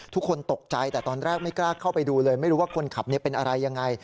ทุกคนตกใจแต่ตอนแรกไม่กล้าเข้าไปดูเลยไม่รู้ว่าคนขับเป็นอะไรยังไง